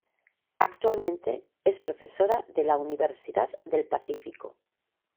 Actualmente es profesora de la Universidad del Pacífico.